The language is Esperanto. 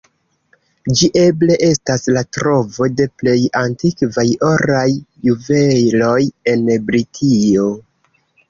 Ĝi eble estas la trovo de plej antikvaj oraj juveloj en Britio.